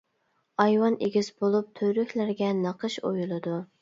ئايۋان ئېگىز بولۇپ، تۈۋرۈكلىرىگە نەقىش ئويۇلىدۇ.